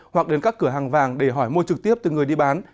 hoặc đến các cửa hàng vàng để hỏi mua trực tiếp từ người đi bán